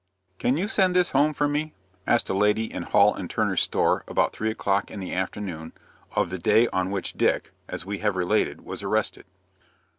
"Can you send this home for me?" asked a lady in Hall & Turner's store about three o'clock in the afternoon of the day on which Dick, as we have related, was arrested.